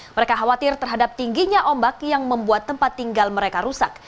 mereka khawatir terhadap tingginya ombak yang membuat tempat tinggal mereka rusak